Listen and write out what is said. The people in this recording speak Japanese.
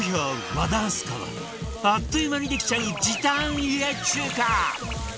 和田明日香はあっという間にできちゃう時短家中華